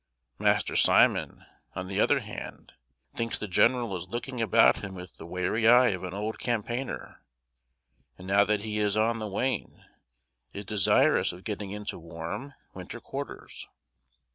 Master Simon, on the other hand, thinks the general is looking about him with the wary eye of an old campaigner; and now that he is on the wane, is desirous of getting into warm winter quarters.